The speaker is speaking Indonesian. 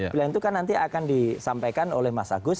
pilihan itu kan nanti akan disampaikan oleh mas agus